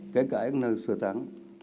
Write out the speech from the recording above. kể cả nơi sơ tán